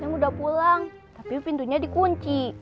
yang udah pulang tapi pintunya dikunci